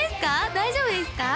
大丈夫ですか？